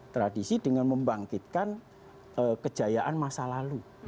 tradisi dengan membangkitkan kejayaan masa lalu